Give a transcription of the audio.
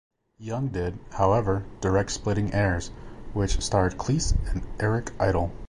Young did, however, direct "Splitting Heirs", which starred Cleese and Eric Idle.